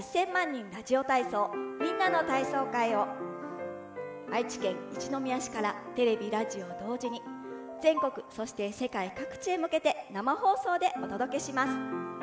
人ラジオ体操・みんなの体操祭」を愛知県一宮市からテレビ、ラジオ同時に全国、そして世界各地へ向けて生放送でお届けします。